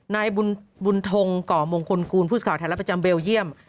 ในบุญทงกรมงคลคูณผู้ข่าวแถวรับประจำเวลเยี่ยม